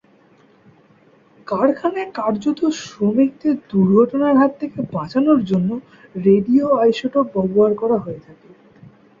কারখানায় কার্যরত শ্রমিকদের দুর্ঘটনার হাত থেকে বাঁচানোর জন্য রেডিও আইসোটোপ ব্যবহার করা হয়ে থাকে।